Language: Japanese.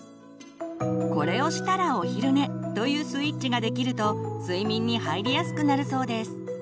「これをしたらお昼寝」というスイッチができると睡眠に入りやすくなるそうです。